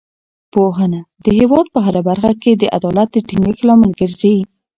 پوهنه د هېواد په هره برخه کې د عدالت د ټینګښت لامل ګرځي.